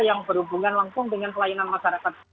yang berhubungan langsung dengan pelayanan masyarakat